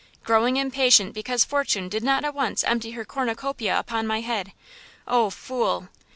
Growing impatient because fortune did not at once empty her cornucopia upon my head! Oh, fool!"